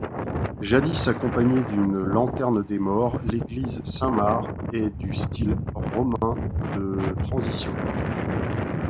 Jadis accompagnée d'une lanterne des morts, l'église Saint-Marc est du style roman de transition.